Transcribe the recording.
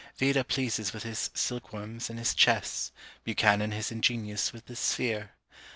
Vida pleases with his Silk worms, and his Chess; Buchanan is ingenious with the Sphere.